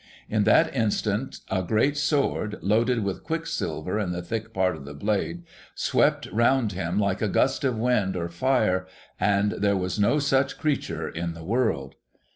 In that instant, a great sword (loaded with quicksilver in the thick part of the blade) swept round him like a gust of wind or fire, and there was no such creature in the world.